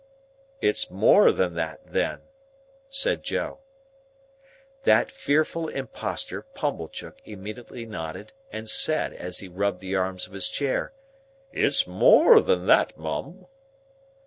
"It's more than that, then," said Joe. That fearful Impostor, Pumblechook, immediately nodded, and said, as he rubbed the arms of his chair, "It's more than that, Mum."